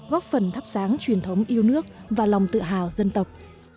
góp phần thắp sáng truyền thống yêu nước và lòng tự hào dân tộc